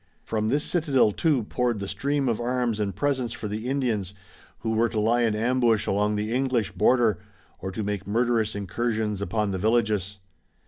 From this citadel, too, poured the stream of arms and presents for the Indians who were to lie in ambush along the English border, or to make murderous incursions upon the villages.